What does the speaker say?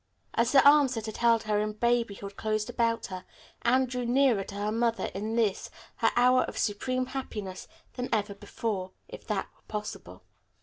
As the arms that had held her in babyhood closed about her, Anne drew nearer to her mother in this, her hour of supreme happiness, than ever before, if that were possible.